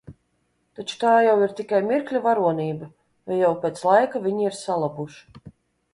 Taču tā jau ir tikai mirkļa varonība, jo jau pēc laika viņi ir salabuši.